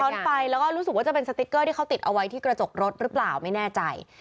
ไปแล้วก็รู้สึกว่าจะเป็นสติ๊กเกอร์ที่เขาติดเอาไว้ที่กระจกรถหรือเปล่าไม่แน่ใจ